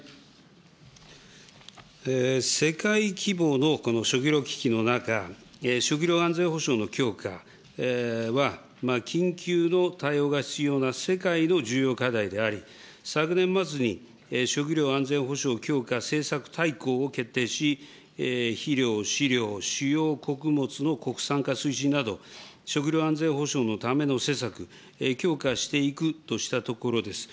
世界規模のこの食料危機の中、食料安全保障の強化は、緊急の対応が必要な世界の重要課題であり、昨年末に食料安全保障を決定し、肥料、飼料、主要穀物の国産化推進など、食料安全保障のための施策、強化していくとしたところです。